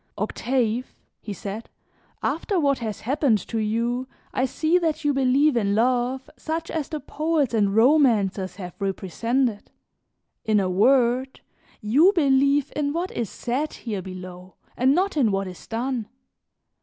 "Octave," he said, "after what has happened to you I see that you believe in love such as the poets and romancers have represented; in a word, you believe in what is said here below and not in what is done.